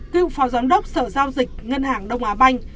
cựu phó giám đốc sở giao dịch ngân hàng đông á banh